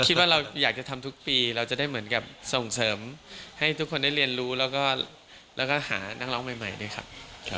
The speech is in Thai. คิดว่าเราอยากจะทำทุกปีเราจะได้เหมือนกับส่งเสริมให้ทุกคนได้เรียนรู้แล้วก็หานักร้องใหม่ด้วยครับ